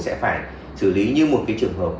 sẽ phải xử lý như một cái trường hợp